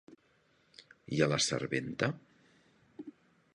I a la serventa?